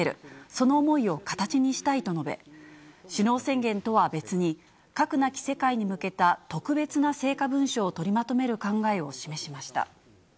その思いを形にしたいと述べ、首脳宣言とは別に、核なき世界に向けた特別な成果文書を取りまとめる考えを示しました。